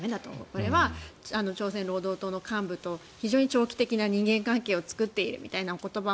俺は朝鮮労働党の幹部と非常に長期的な人間関係を作っているみたいなお言葉